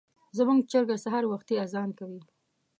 زموږ چرګه سهار وختي اذان کوي.